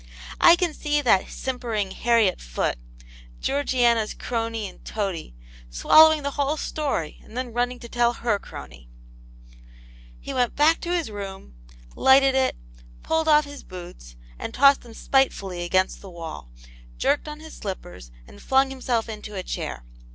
I can see that simpering Harriet Foot, Georgiana's crony and toady, swallowing the whok story, and then running to tell her crony," He went back to his room, lighted it, pulled off his boots and tossed them spitefully against the wall, jerked on his slippers, and flung himself into a chair.